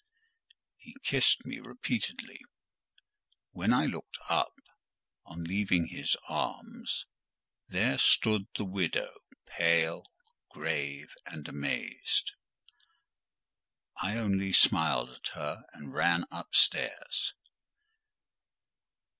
He kissed me repeatedly. When I looked up, on leaving his arms, there stood the widow, pale, grave, and amazed. I only smiled at her, and ran upstairs.